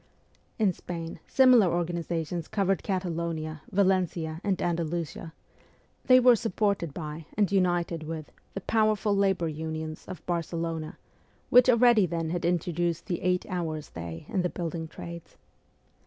In Spain similar organizations covered Catalonia, Valencia, and Andalusia ; they were supported by, and united with, the powerful labour unions of Barcelona, which already then had introduced the eight hours' day in the building trades.